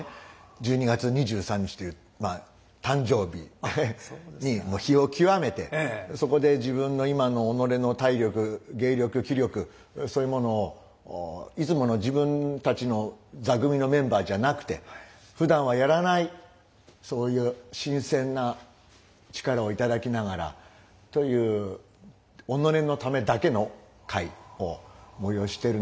１２月２３日というまあ誕生日に日を極めてそこで自分の今の己の体力芸力気力そういうものをいつもの自分たちの座組のメンバーじゃなくてふだんはやらないそういう新鮮な力を頂きながらという己のためだけの会を催してるのでそこにも力を入れていきたいなと。